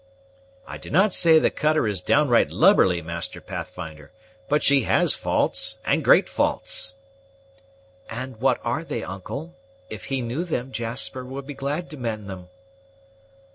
"I do not say that the cutter is downright lubberly, Master Pathfinder; but she has faults, and great faults." "And what are they, uncle? If he knew them, Jasper would be glad to mend them."